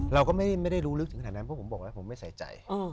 เราก็ไม่ได้รู้ลึกถึงขนาดนั้นเพราะผมบอกแล้วผมไม่ใส่ใจ